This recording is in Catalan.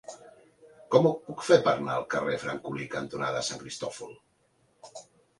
Com ho puc fer per anar al carrer Francolí cantonada Sant Cristòfol?